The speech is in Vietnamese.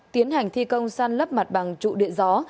tiến hành thi công săn lấp mặt bằng trụ điện gió